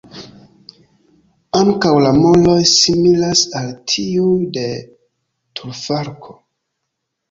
Ankaŭ la moroj similas al tiuj de turfalko.